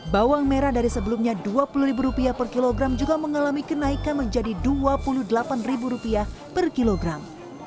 bawang merah dari sebelumnya dua puluh ribu rupiah per kilogram juga mengalami kenaikan menjadi dua puluh delapan ribu rupiah per kilogram